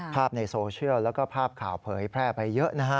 ในโซเชียลแล้วก็ภาพข่าวเผยแพร่ไปเยอะนะฮะ